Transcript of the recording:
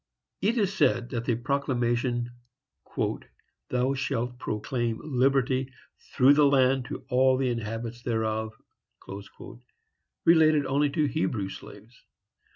It is said that the proclamation, "Thou shalt proclaim liberty through the land to all the inhabitants thereof," related only to Hebrew slaves.